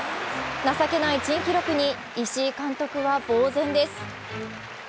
情けない珍記録に石井監督はぼう然です。